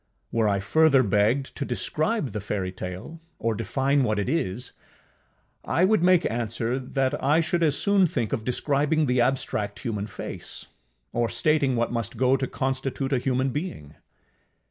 Were I further begged to describe the fairytale, or define what it is, I would make answer, that I should as soon think of describing the abstract human face, or stating what must go to constitute a human being.